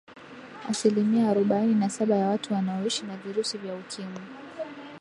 asilimia arobaini na saba ya watu wanaoishi na virusi vya ukimwi